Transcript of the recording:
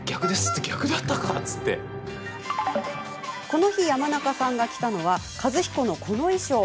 この日、山中さんが着たのは和彦のこの衣装。